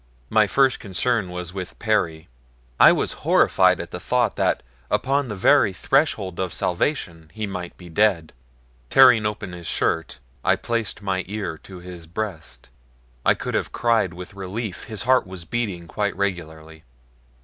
My first concern was with Perry. I was horrified at the thought that upon the very threshold of salvation he might be dead. Tearing open his shirt I placed my ear to his breast. I could have cried with relief his heart was beating quite regularly.